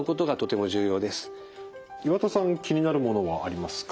岩田さん気になるものはありますか？